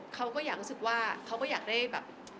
เขาก็อยากรู้สึกว่าเขาก็อยากได้แบบ